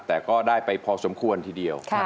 แต่ก็ได้ไปพอสมควรทีเดียว